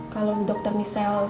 kalau dokter misal